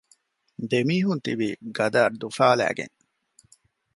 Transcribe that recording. ދެމީހުން ތިބީ ގަދައަށް ދުފާލައިގެން